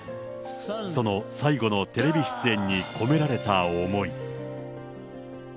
その最後のテレビ出演に込められた思い。